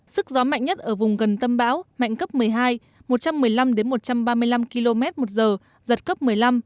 sức gió mạnh nhất ở vùng gần tâm bão mạnh cấp một mươi hai một trăm một mươi năm một trăm ba mươi năm km một giờ giật cấp một mươi năm